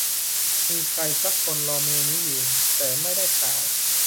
มีใครสักคนรอเมลนี้อยู่ แต่ไม่ได้ข่าว